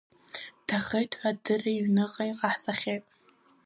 Дҭахеит ҳәа адырра иҩныҟа иҟаҳҵахьеит.